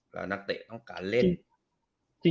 แล้วนักเตะต้องการเล่น